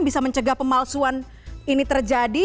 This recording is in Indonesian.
bisa mencegah pemalsuan ini terjadi